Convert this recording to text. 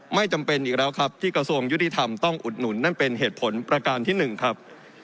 ไม่จำเป็นอีกแล้วครับที่กระทรวงยุติธรรมต้องอุดหนุนนั่นเป็นเหตุผลประการที่๑ครับ